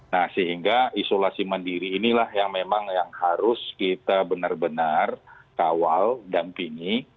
nah sehingga isolasi mandiri inilah yang memang yang harus kita benar benar kawal dampingi